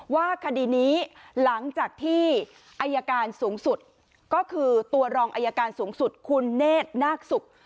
ว่าคดีนี้หลังจากที่อายการสูงสุดก็คือตัวรองอายการสูงสุดคุณเนธนาคศุกร์